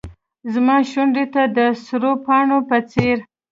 زما وشونډو ته د سرو پاڼو په څیر